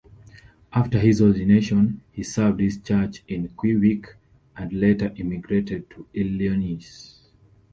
After his ordination, he served his church in Quebec and later emigrated to Illinois.